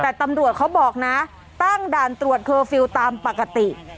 แต่ตำรวจเขาบอกนะตั้งด่านตรวจเคอร์ฟิลล์ตามปกติ